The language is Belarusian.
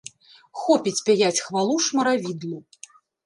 Хопіць пяяць хвалу шмаравідлу!